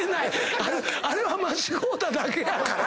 あれは間違うただけやから。